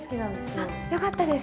あよかったです。